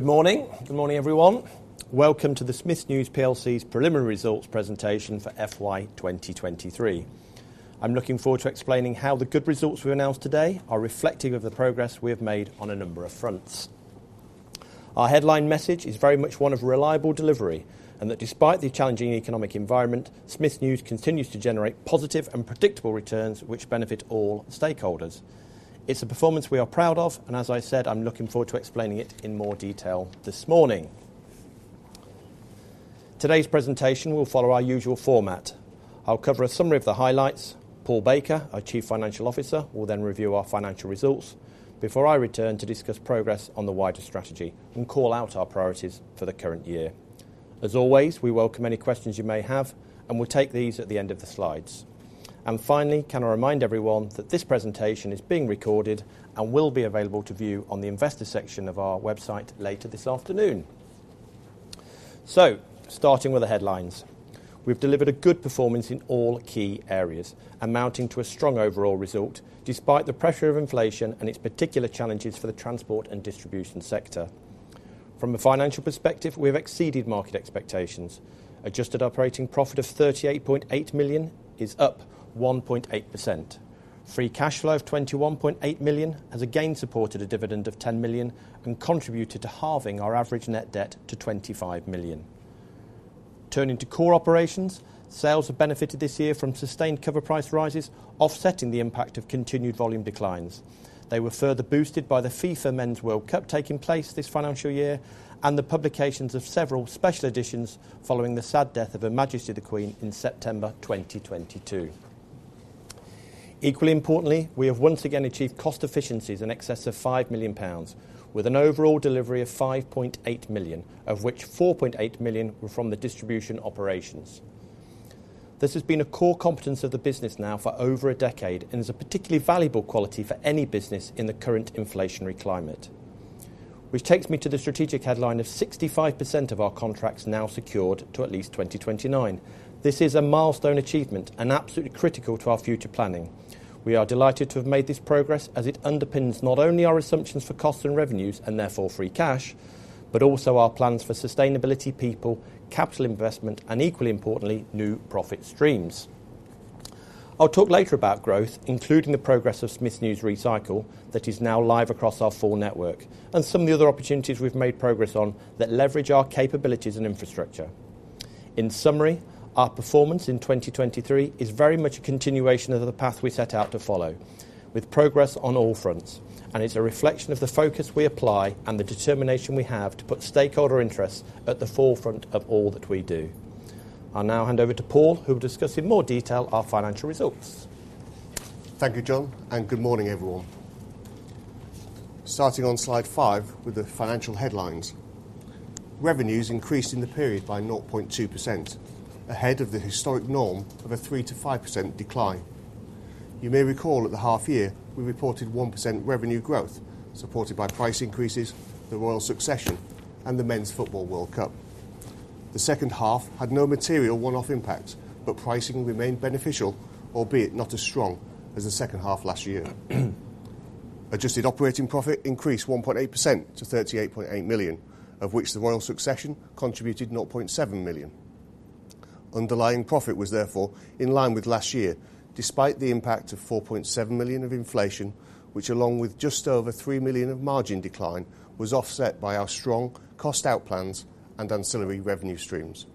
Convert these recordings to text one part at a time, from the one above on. Good morning. Good morning, everyone. Welcome to the Smiths News PLC's Preliminary Results Presentation for FY 2023. I'm looking forward to explaining how the good results we announce today are reflective of the progress we have made on a number of fronts. Our headline message is very much one of reliable delivery, and that despite the challenging economic environment, Smiths News continues to generate positive and predictable returns, which benefit all stakeholders. It's a performance we are proud of, and as I said, I'm looking forward to explaining it in more detail this morning. Today's presentation will follow our usual format. I'll cover a summary of the highlights, Paul Baker, our Chief Financial Officer, will then review our financial results before I return to discuss progress on the wider strategy and call out our priorities for the current year. As always, we welcome any questions you may have, and we'll take these at the end of the slides. Finally, can I remind everyone that this presentation is being recorded and will be available to view on the investor section of our website later this afternoon? Starting with the headlines. We've delivered a good performance in all key areas, amounting to a strong overall result, despite the pressure of inflation and its particular challenges for the transport and distribution sector. From a financial perspective, we have exceeded market expectations. Adjusted operating profit of 38.8 million is up 1.8%. Free cash flow of 21.8 million has again supported a dividend of 10 million and contributed to halving our average net debt to 25 million. Turning to core operations, sales have benefited this year from sustained cover price rises, offsetting the impact of continued volume declines. They were further boosted by the FIFA Men's World Cup taking place this financial year and the publications of several special editions following the sad death of Her Majesty the Queen in September 2022. Equally importantly, we have once again achieved cost efficiencies in excess of 5 million pounds, with an overall delivery of 5.8 million, of which 4.8 million were from the distribution operations. This has been a core competence of the business now for over a decade and is a particularly valuable quality for any business in the current inflationary climate. Which takes me to the strategic headline of 65% of our contracts now secured to at least 2029. This is a milestone achievement and absolutely critical to our future planning. We are delighted to have made this progress as it underpins not only our assumptions for costs and revenues and therefore free cash, but also our plans for sustainability, people, capital investment and, equally importantly, new profit streams. I'll talk later about growth, including the progress of Smiths News Recycle, that is now live across our full network, and some of the other opportunities we've made progress on that leverage our capabilities and infrastructure. In summary, our performance in 2023 is very much a continuation of the path we set out to follow, with progress on all fronts, and it's a reflection of the focus we apply and the determination we have to put stakeholder interests at the forefront of all that we do. I'll now hand over to Paul, who will discuss in more detail our financial results. Thank you, Jon, and good morning, everyone. Starting on slide five with the financial headlines. Revenues increased in the period by 0.2%, ahead of the historic norm of a 3%-5% decline. You may recall at the half year, we reported 1% revenue growth, supported by price increases, the royal succession, and the men's football world cup. The second half had no material one-off impact, but pricing remained beneficial, albeit not as strong as the second half last year. Adjusted operating profit increased 1.8% to 38.8 million, of which the royal succession contributed 0.7 million. Underlying profit was therefore in line with last year, despite the impact of 4.7 million of inflation, which, along with just over 3 million of margin decline, was offset by our strong cost out plans and ancillary revenue streams.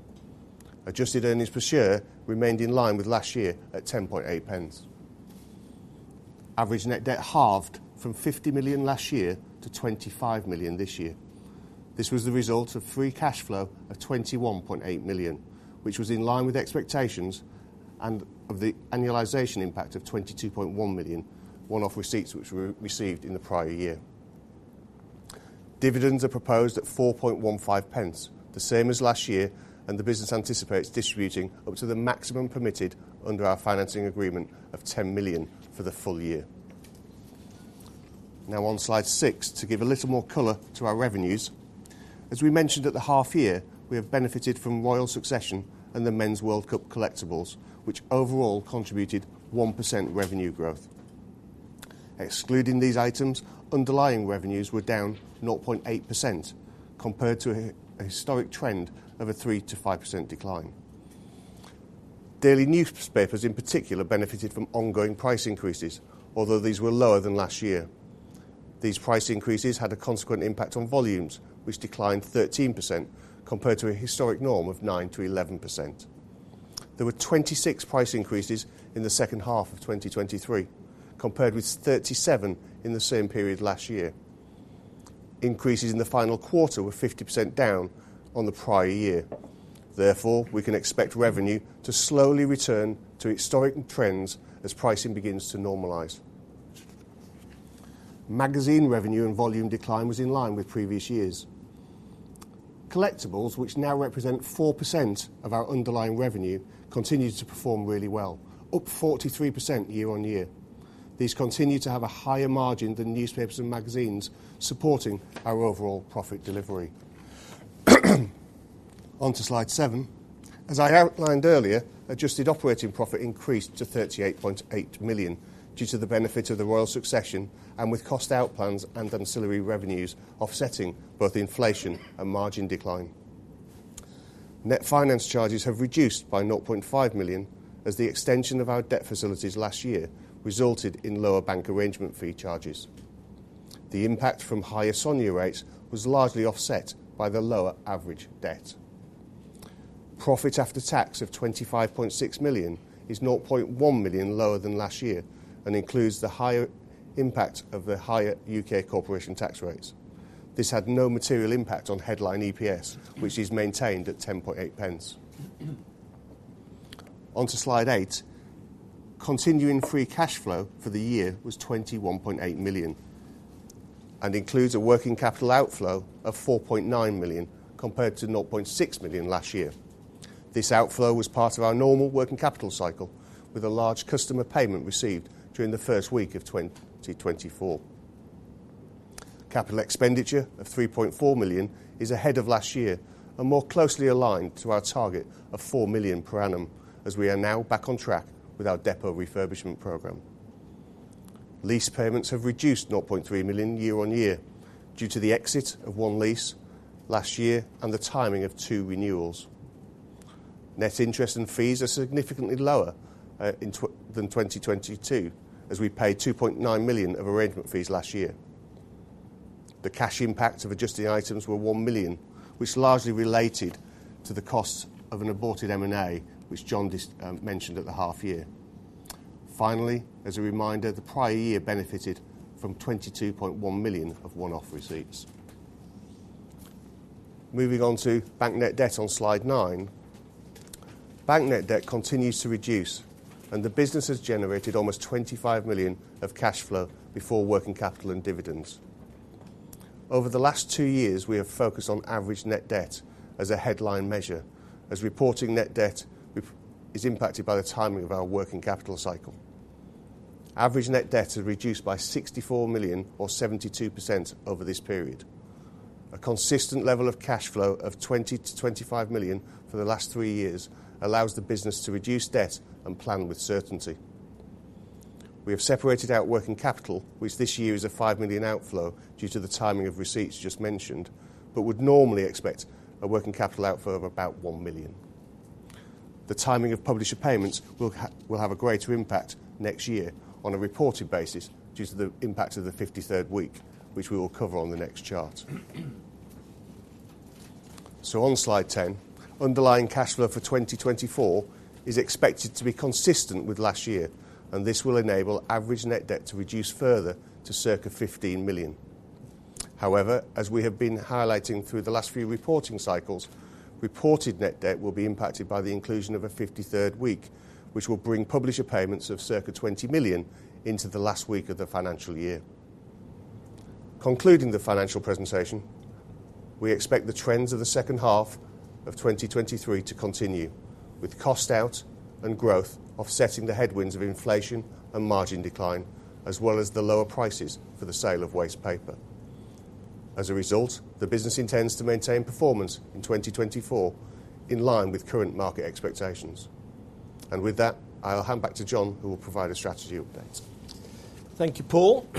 Adjusted earnings per share remained in line with last year at 0.108. Average net debt halved from 50 million last year to 25 million this year. This was the result of free cash flow of 21.8 million, which was in line with expectations and of the annualization impact of 22.1 million, one-off receipts which we received in the prior year. Dividends are proposed at 0.0415, the same as last year, and the business anticipates distributing up to the maximum permitted under our financing agreement of 10 million for the full year. Now, on slide six, to give a little more color to our revenues. As we mentioned at the half year, we have benefited from royal succession and the Men's World Cup collectibles, which overall contributed 1% revenue growth. Excluding these items, underlying revenues were down 0.8%, compared to a historic trend of a 3%-5% decline. Daily newspapers in particular benefited from ongoing price increases, although these were lower than last year. These price increases had a consequent impact on volumes, which declined 13% compared to a historic norm of 9%-11%. There were 26% price increases in the second half of 2023, compared with 37% in the same period last year. Increases in the final quarter were 50% down on the prior year. Therefore, we can expect revenue to slowly return to historic trends as pricing begins to normalize. Magazine revenue and volume decline was in line with previous years. Collectibles, which now represent 4% of our underlying revenue, continued to perform really well, up 43% year-on-year. These continue to have a higher margin than newspapers and magazines, supporting our overall profit delivery… Onto slide seven. As I outlined earlier, adjusted operating profit increased to 38.8 million, due to the benefit of the Royal succession, and with cost out plans and ancillary revenues offsetting both inflation and margin decline. Net finance charges have reduced by 0.5 million, as the extension of our debt facilities last year resulted in lower bank arrangement fee charges. The impact from higher SONIA rates was largely offset by the lower average debt. Profit after tax of 25.6 million is 0.1 million lower than last year, and includes the higher impact of the higher U.K. corporation tax rates. This had no material impact on headline EPS, which is maintained at 0.108. On to slide eight. Continuing free cash flow for the year was 21.8 million, and includes a working capital outflow of 4.9 million, compared to 0.6 million last year. This outflow was part of our normal working capital cycle, with a large customer payment received during the first week of 2024. Capital expenditure of 3.4 million is ahead of last year, and more closely aligned to our target of 4 million per annum, as we are now back on track with our depot refurbishment program. Lease payments have reduced 0.3 million year on year, due to the exit of one lease last year and the timing of two renewals. Net interest and fees are significantly lower than 2022, as we paid 2.9 million of arrangement fees last year. The cash impact of adjusting items were 1 million, which largely related to the cost of an aborted M&A, which Jon just mentioned at the half year. Finally, as a reminder, the prior year benefited from 22.1 million of one-off receipts. Moving on to bank net debt on slide nine. Bank net debt continues to reduce, and the business has generated almost 25 million of cash flow before working capital and dividends. Over the last two years, we have focused on average net debt as a headline measure, as reporting net debt with is impacted by the timing of our working capital cycle. Average net debt has reduced by 64 million, or 72%, over this period. A consistent level of cash flow of 20 million-25 million for the last three years allows the business to reduce debt and plan with certainty. We have separated out working capital, which this year is a 5 million outflow due to the timing of receipts just mentioned, but would normally expect a working capital outflow of about 1 million. The timing of publisher payments will have a greater impact next year on a reported basis, due to the impact of the 53rd week, which we will cover on the next chart. So on slide 10, underlying cash flow for 2024 is expected to be consistent with last year, and this will enable average net debt to reduce further to circa 15 million. However, as we have been highlighting through the last few reporting cycles, reported net debt will be impacted by the inclusion of a 53rd week, which will bring publisher payments of circa 20 million into the last week of the financial year. Concluding the financial presentation, we expect the trends of the second half of 2023 to continue, with cost out and growth offsetting the headwinds of inflation and margin decline, as well as the lower prices for the sale of waste paper. As a result, the business intends to maintain performance in 2024 in line with current market expectations. With that, I'll hand back to Jon, who will provide a strategy update. Thank you, Paul.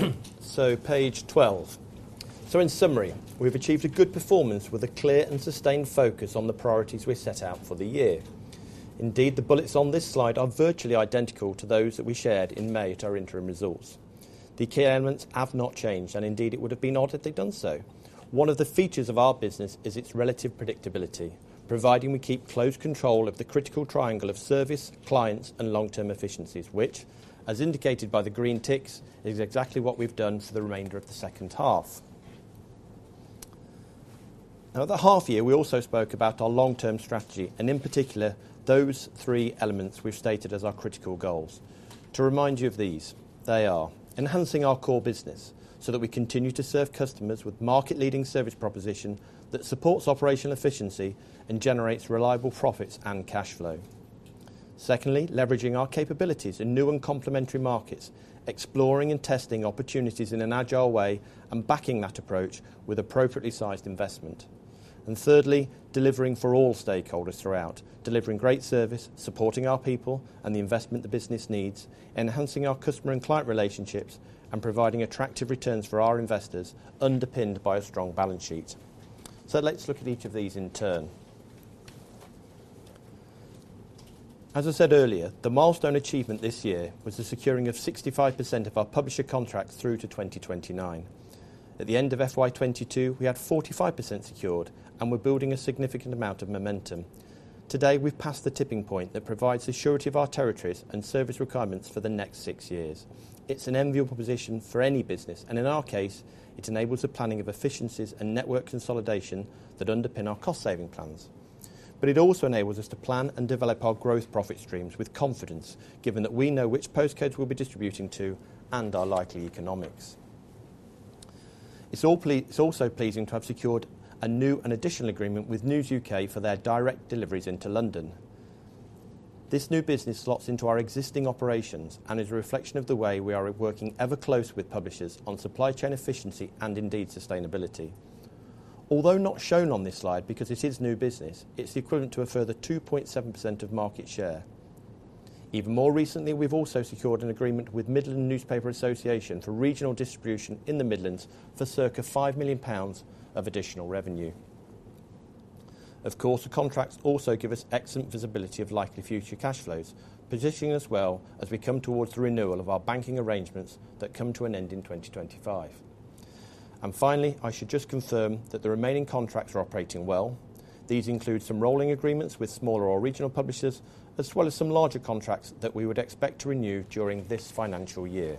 So page 12. So in summary, we've achieved a good performance with a clear and sustained focus on the priorities we set out for the year. Indeed, the bullets on this slide are virtually identical to those that we shared in May at our interim results. The key elements have not changed, and indeed it would have been odd had they done so. One of the features of our business is its relative predictability, providing we keep close control of the critical triangle of service, clients, and long-term efficiencies, which, as indicated by the green ticks, is exactly what we've done for the remainder of the second half. Now, at the half year, we also spoke about our long-term strategy, and in particular, those three elements we've stated as our critical goals. To remind you of these, they are: enhancing our core business, so that we continue to serve customers with market-leading service proposition that supports operational efficiency and generates reliable profits and cash flow. Secondly, leveraging our capabilities in new and complementary markets, exploring and testing opportunities in an agile way, and backing that approach with appropriately sized investment. And thirdly, delivering for all stakeholders throughout, delivering great service, supporting our people and the investment the business needs, enhancing our customer and client relationships, and providing attractive returns for our investors, underpinned by a strong balance sheet. So let's look at each of these in turn. As I said earlier, the milestone achievement this year was the securing of 65% of our publisher contracts through to 2029. At the end of FY 2022, we had 45% secured and were building a significant amount of momentum. Today, we've passed the tipping point that provides certainty of our territories and service requirements for the next six years. It's an enviable position for any business, and in our case, it enables the planning of efficiencies and network consolidation that underpin our cost saving plans. But it also enables us to plan and develop our growth profit streams with confidence, given that we know which postcodes we'll be distributing to and our likely economics. It's also pleasing to have secured a new and additional agreement with News U.K. for their direct deliveries into London. This new business slots into our existing operations and is a reflection of the way we are working ever closer with publishers on supply chain efficiency and indeed, sustainability. Although not shown on this slide because it is new business, it's equivalent to a further 2.7% of market share. Even more recently, we've also secured an agreement with Midland Newspaper Association for regional distribution in the Midlands for circa 5 million pounds of additional revenue. Of course, the contracts also give us excellent visibility of likely future cash flows, positioning us well as we come towards the renewal of our banking arrangements that come to an end in 2025. And finally, I should just confirm that the remaining contracts are operating well. These include some rolling agreements with smaller or regional publishers, as well as some larger contracts that we would expect to renew during this financial year.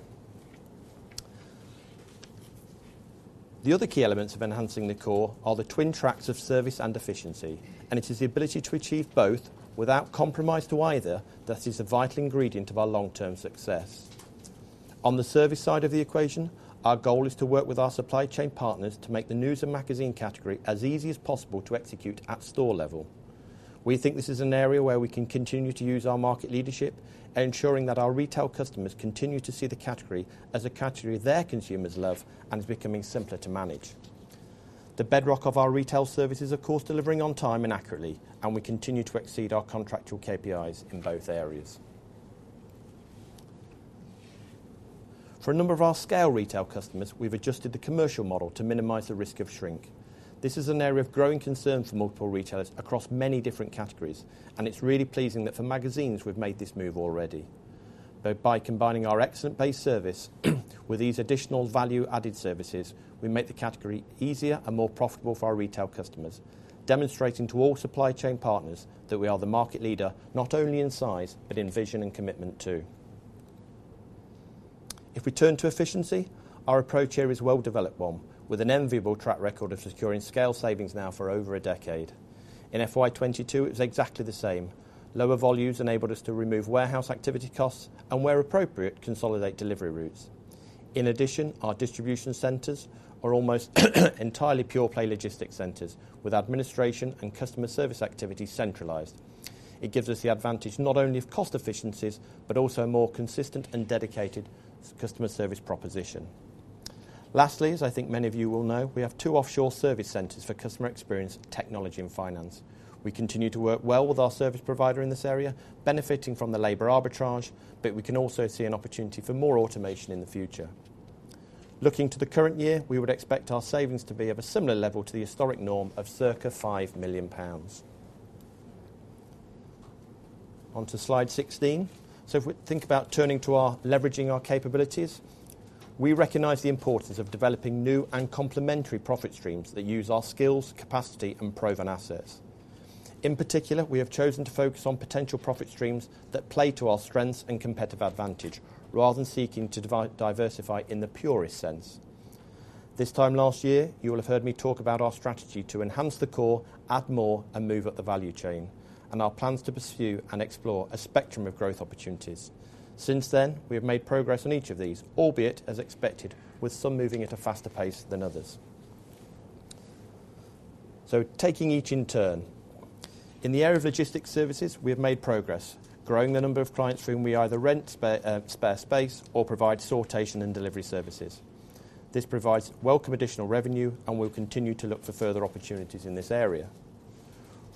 The other key elements of enhancing the core are the twin tracks of service and efficiency, and it is the ability to achieve both without compromise to either. That is a vital ingredient of our long-term success. On the service side of the equation, our goal is to work with our supply chain partners to make the news and magazine category as easy as possible to execute at store level. We think this is an area where we can continue to use our market leadership, ensuring that our retail customers continue to see the category as a category their consumers love and is becoming simpler to manage. The bedrock of our retail service is, of course, delivering on time and accurately, and we continue to exceed our contractual KPIs in both areas. For a number of our scale retail customers, we've adjusted the commercial model to minimize the risk of shrink. This is an area of growing concern for multiple retailers across many different categories, and it's really pleasing that for magazines, we've made this move already. But by combining our excellent base service, with these additional value-added services, we make the category easier and more profitable for our retail customers, demonstrating to all supply chain partners that we are the market leader, not only in size, but in vision and commitment, too. If we turn to efficiency, our approach here is a well-developed one, with an enviable track record of securing scale savings now for over a decade. In FY 2022, it's exactly the same. Lower volumes enabled us to remove warehouse activity costs and, where appropriate, consolidate delivery routes. In addition, our distribution centers are almost entirely pure-play logistics centers, with administration and customer service activities centralized. It gives us the advantage not only of cost efficiencies, but also a more consistent and dedicated customer service proposition. Lastly, as I think many of you will know, we have two offshore service centers for customer experience, technology, and finance. We continue to work well with our service provider in this area, benefiting from the labor arbitrage, but we can also see an opportunity for more automation in the future. Looking to the current year, we would expect our savings to be of a similar level to the historic norm of circa 5 million pounds. On to slide 16. So if we think about turning to our leveraging our capabilities, we recognize the importance of developing new and complementary profit streams that use our skills, capacity, and proven assets. In particular, we have chosen to focus on potential profit streams that play to our strengths and competitive advantage, rather than seeking to diversify in the purest sense. This time last year, you will have heard me talk about our strategy to enhance the core, add more, and move up the value chain, and our plans to pursue and explore a spectrum of growth opportunities. Since then, we have made progress on each of these, albeit as expected, with some moving at a faster pace than others. So taking each in turn. In the area of logistics services, we have made progress, growing the number of clients whom we either rent spare space or provide sortation and delivery services. This provides welcome additional revenue, and we'll continue to look for further opportunities in this area.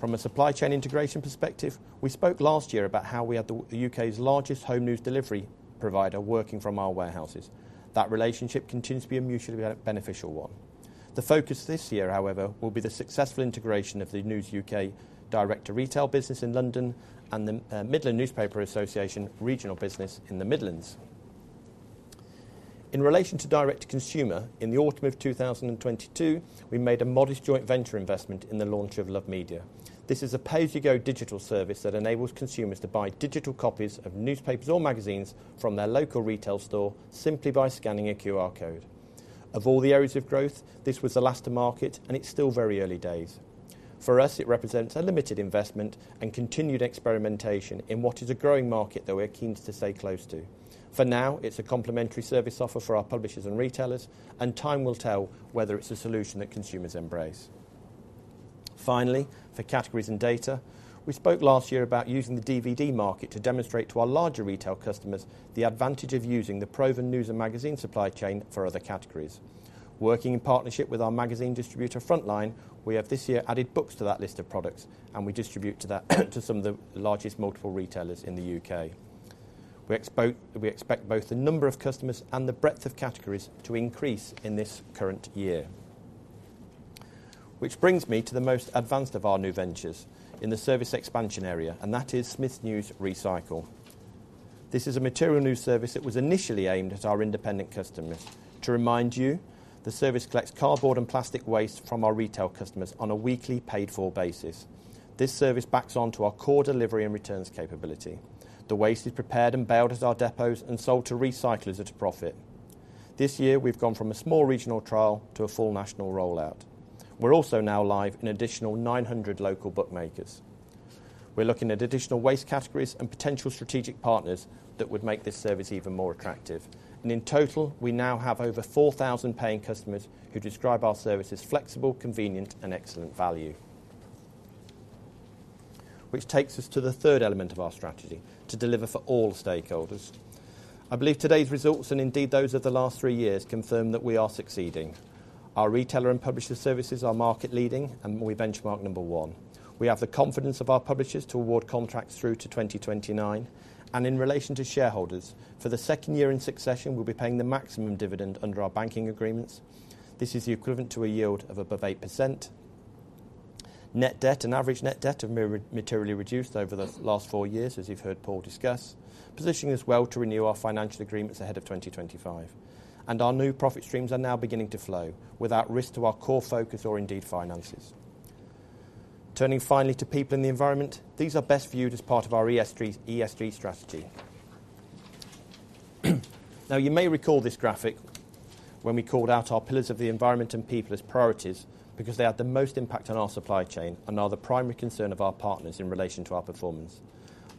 From a supply chain integration perspective, we spoke last year about how we are the U.K.'s largest home news delivery provider working from our warehouses. That relationship continues to be a mutually beneficial one. The focus this year, however, will be the successful integration of the News U.K. direct retail business in London and the Midland Newspaper Association regional business in the Midlands. In relation to direct consumer, in the autumn of 2022, we made a modest joint venture investment in the launch of Love Media. This is a pay-as-you-go digital service that enables consumers to buy digital copies of newspapers or magazines from their local retail store simply by scanning a QR code. Of all the areas of growth, this was the last to market, and it's still very early days. For us, it represents a limited investment and continued experimentation in what is a growing market that we're keen to stay close to. For now, it's a complementary service offer for our publishers and retailers, and time will tell whether it's a solution that consumers embrace. Finally, for categories and data, we spoke last year about using the DVD market to demonstrate to our larger retail customers the advantage of using the proven news and magazine supply chain for other categories. Working in partnership with our magazine distributor, Frontline, we have this year added books to that list of products, and we distribute to that, to some of the largest multiple retailers in the U.K. We expect both the number of customers and the breadth of categories to increase in this current year. Which brings me to the most advanced of our new ventures in the service expansion area, and that is Smiths News Recycle. This is a material news service that was initially aimed at our independent customers. To remind you, the service collects cardboard and plastic waste from our retail customers on a weekly, paid-for basis. This service backs on to our core delivery and returns capability. The waste is prepared and baled at our depots and sold to recyclers at a profit. This year, we've gone from a small regional trial to a full national rollout. We're also now live in additional 900 local bookmakers. We're looking at additional waste categories and potential strategic partners that would make this service even more attractive. And in total, we now have over 4,000 paying customers who describe our service as flexible, convenient, and excellent value... which takes us to the third element of our strategy, to deliver for all stakeholders. I believe today's results, and indeed, those of the last three years, confirm that we are succeeding. Our retailer and publisher services are market-leading, and we benchmark number one. We have the confidence of our publishers to award contracts through to 2029, and in relation to shareholders, for the second year in succession, we'll be paying the maximum dividend under our banking agreements. This is the equivalent to a yield of above 8%. Net debt and average net debt have materially reduced over the last four years, as you've heard Paul discuss, positioning us well to renew our financial agreements ahead of 2025. And our new profit streams are now beginning to flow without risk to our core focus or indeed finances. Turning finally to people in the environment, these are best viewed as part of our ESG, ESG strategy. Now, you may recall this graphic when we called out our pillars of the environment and people as priorities because they had the most impact on our supply chain and are the primary concern of our partners in relation to our performance.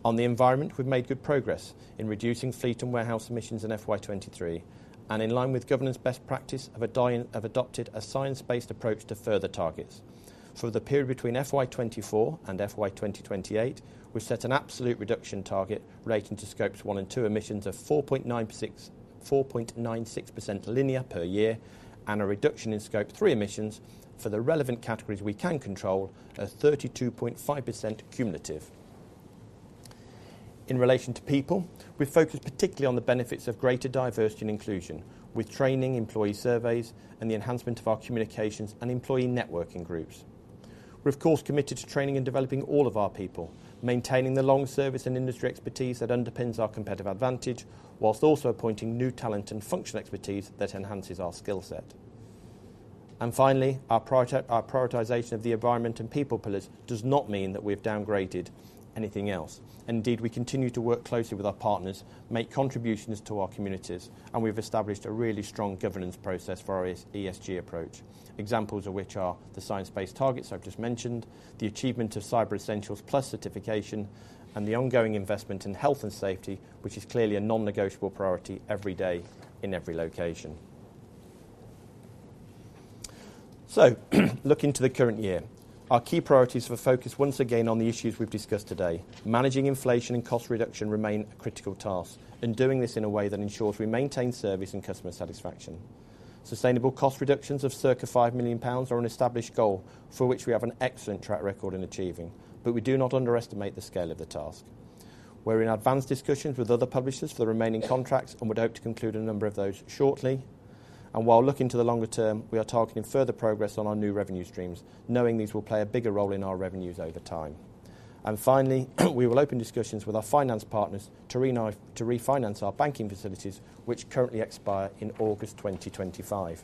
On the environment, we've made good progress in reducing fleet and warehouse emissions in FY 2023, and in line with governance best practice, have adopted a science-based approach to further targets. For the period between FY 2024 and FY 2028, we've set an absolute reduction target relating to Scope 1 and 2 emissions of 4.96% linear per year, and a reduction in Scope 3 emissions for the relevant categories we can control are 32.5% cumulative. In relation to people, we've focused particularly on the benefits of greater diversity and inclusion, with training, employee surveys, and the enhancement of our communications and employee networking groups. We're, of course, committed to training and developing all of our people, maintaining the long service and industry expertise that underpins our competitive advantage, while also appointing new talent and functional expertise that enhances our skill set. And finally, our prioritization of the environment and people pillars does not mean that we've downgraded anything else. Indeed, we continue to work closely with our partners, make contributions to our communities, and we've established a really strong governance process for our ESG approach, examples of which are the science-based targets I've just mentioned, the achievement of Cyber Essentials Plus certification, and the ongoing investment in health and safety, which is clearly a non-negotiable priority every day in every location. Looking to the current year, our key priorities were focused once again on the issues we've discussed today. Managing inflation and cost reduction remain a critical task, and doing this in a way that ensures we maintain service and customer satisfaction. Sustainable cost reductions of circa 5 million pounds are an established goal for which we have an excellent track record in achieving, but we do not underestimate the scale of the task. We're in advanced discussions with other publishers for the remaining contracts and would hope to conclude a number of those shortly. While looking to the longer term, we are targeting further progress on our new revenue streams, knowing these will play a bigger role in our revenues over time. Finally, we will open discussions with our finance partners to refinance our banking facilities, which currently expire in August 2025.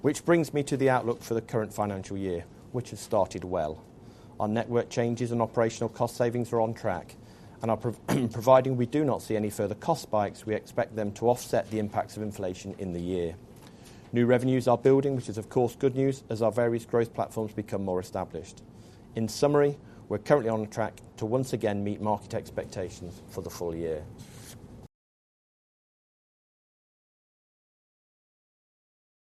Which brings me to the outlook for the current financial year, which has started well. Our network changes and operational cost savings are on track, and, providing we do not see any further cost spikes, we expect them to offset the impacts of inflation in the year. New revenues are building, which is, of course, good news as our various growth platforms become more established. In summary, we're currently on track to once again meet market expectations for the full year.